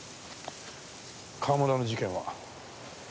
川村の事件は？